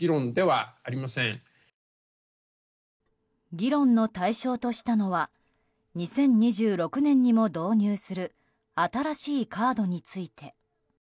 議論の対象としたのは２０２６年にも導入する新しいカードについて。